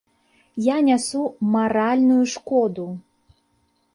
Я нясу маральную шкоду.